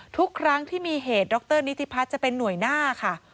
ทุกครั้งที่มีเหตุดรนิติพัฒน์จะเป็นหน่วยหน้าค่ะ